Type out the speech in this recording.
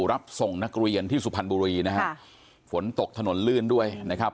รับส่งนักเรียนที่สุพรรณบุรีนะฮะฝนตกถนนลื่นด้วยนะครับ